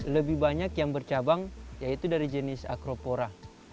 lebih banyak yang bercabang yaitu dari jenis acropora